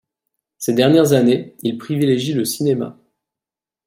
Ces dernières années, il privilégie le cinéma.